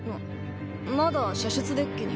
まだ射出デッキに。